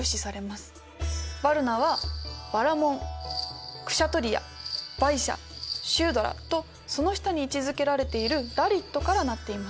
ヴァルナはバラモンクシャトリヤヴァイシャシュードラとその下に位置づけられているダリットから成っています。